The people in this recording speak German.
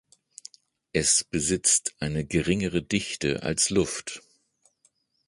Es besitzt eine geringere Dichte als Luft.